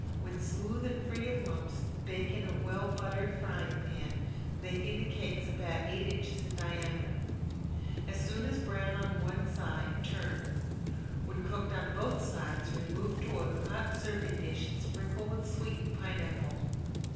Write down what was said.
When smooth and free from lumps, bake in a well buttered frying pan, making the cakes about eight inches in diameter. As soon as brown on one side turn. When cooked on both sides remove to a hot serving dish and sprinkle with sweetened pineapple.